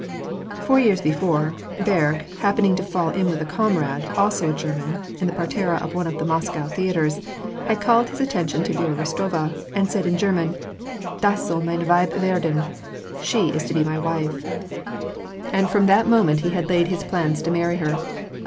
Four years before, Berg happening to fall in with a comrade, also a German, in the parterre of one of the Moscow theatres, had called his attention to Viera Rostova, and said in German, " Das $oll mein Weib warden — She is to be my wife," and WAR AND PEACE. 189 from that moment he had laid his plans to marry her.